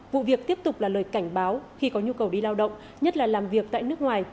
vụ việc tiếp tục là lời cảnh báo khi có nhu cầu đi lao động nhất là làm việc tại nước ngoài